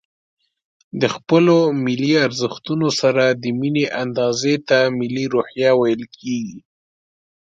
د خپلو ملي ارزښتونو سره د ميني اندازې ته ملي روحيه ويل کېږي.